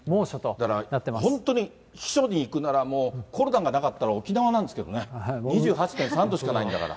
だから本当に避暑に行くならもうコロナがなかったら、沖縄なんですけどね、２８．３度しかないんだから。